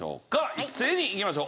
一斉にいきましょう。